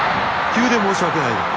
急で申し訳ないが